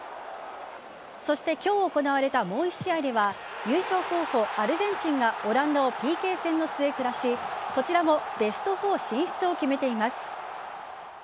そして今日行われたもう１試合では優勝候補・アルゼンチンがオランダをＰＫ戦の末、下しこちらもベスト４進出を決めています。